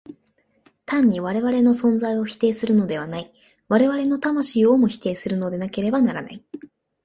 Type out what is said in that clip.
単に我々の存在を否定するのではない、我々の魂をも否定するのでなければならない。